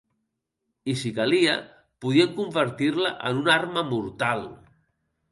I, si calia, podien convertir-la en una arma mortal.